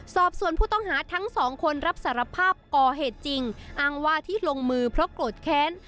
สอบส่วนผู้ต้องหาทั้งสองคนรับสารภาพก่อเหตุจริงอ้างว่าที่ลงมือเพราะโกรธแค้น